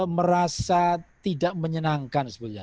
merasa tidak menyenangkan sebetulnya